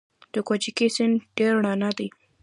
د کوکچې سیند ډیر رڼا دی